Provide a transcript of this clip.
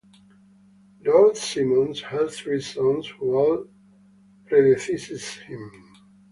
Lord Simonds had three sons who all predeceased him.